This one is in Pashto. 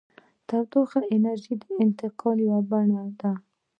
تودوخه د انرژۍ د انتقال یوه بڼه ده.